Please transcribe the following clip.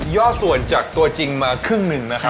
่อส่วนจากตัวจริงมาครึ่งหนึ่งนะครับ